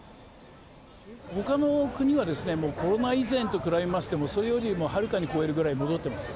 ほかの国はですね、もうコロナ以前と比べましても、それよりもはるかに超えるぐらい戻ってます。